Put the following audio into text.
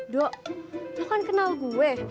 dok aku kan kenal gue